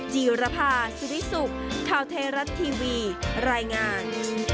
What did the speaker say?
จีรภาสุริสุขข่าวไทยรัฐทีวีรายงาน